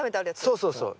そうそうそう。